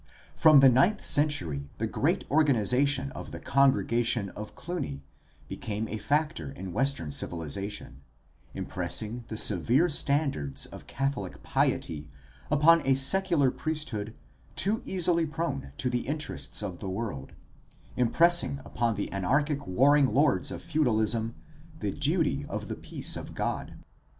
From the ninth century the great organization of the Congregation of Cluny became a factor in Western civili zation, impressing the severe standards of Catholic piety upon a secular priesthood too easily prone to the interests of the world, impressing upon the anarchic warring lords of feudahsm the duty of the peace of God.